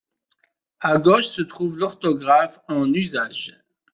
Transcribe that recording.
À gauche se trouve l'orthographe en usage.